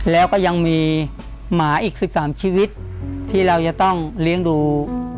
แล้วก็ยังมีหมาอีก๑๓ชีวิตที่เราจะต้องเลี้ยงดู